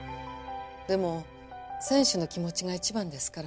でも選手の気持ちが一番ですから。